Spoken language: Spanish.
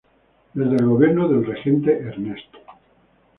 Desde el gobierno del Regente Ernesto.